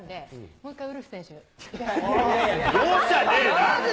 もう１回ウルフ選手で。